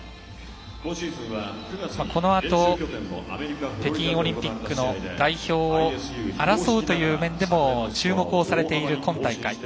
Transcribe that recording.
このあと北京オリンピックの代表を争うという面でも注目をされている今大会。